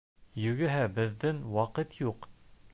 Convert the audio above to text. Юғиһә беҙҙең ваҡыт юҡ.